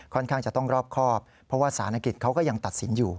ข้างจะต้องรอบครอบเพราะว่าศาลกิจเขาก็ยังตัดสินอยู่